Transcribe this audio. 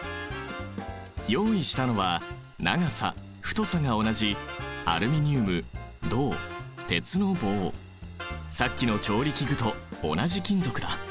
用意したのは長さ太さが同じさっきの調理器具と同じ金属だ！